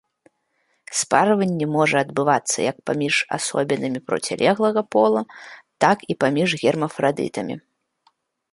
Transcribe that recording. Спарванне можа адбывацца як паміж асобінамі процілеглага пола, так і паміж гермафрадытамі.